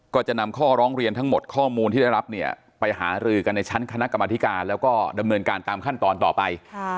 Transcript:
ก็จะนำข้อร้องเรียนทั้งหมดข้อมูลที่ได้รับเนี่ยไปหารือกันในชั้นคณะกรรมธิการแล้วก็ดำเนินการตามขั้นตอนต่อไป